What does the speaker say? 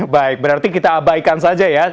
baik berarti kita abaikan saja ya